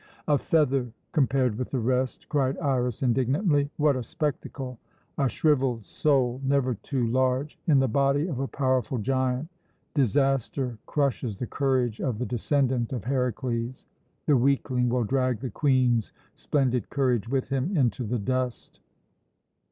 "A feather compared with the rest," cried Iras indignantly. "What a spectacle! A shrivelled soul, never too large, in the body of a powerful giant. Disaster crushes the courage of the descendant of Herakles. The weakling will drag the Queen's splendid courage with him into the dust."